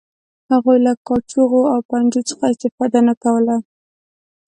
هغوی له کاچوغو او پنجو څخه استفاده نه کوله.